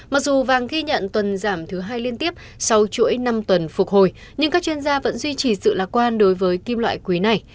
mặc dù vàng ghi nhận tuần giảm thứ hai liên tiếp sau chuỗi năm tuần phục hồi nhưng các chuyên gia vẫn duy trì sự lạc quan đối với kim loại quý này